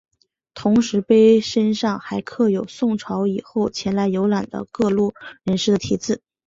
同时碑身上还刻有宋朝以后前来游览的各路人士的题字。